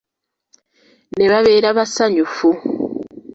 Ne babeera basanyufu.